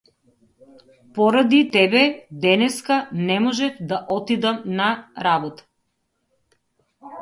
Поради тебе денеска не можев да отидам на работа.